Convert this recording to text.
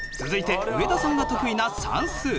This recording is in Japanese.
続いて上田さんが得意な算数。